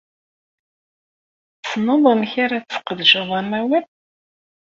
Tessneḍ amek ara tesqedceḍ amawal?